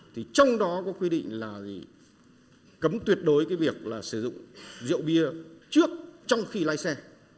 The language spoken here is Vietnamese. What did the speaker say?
trong đó có quy định là cấm tuyệt đối việc sử dụng rượu bia trước trong khi lai xe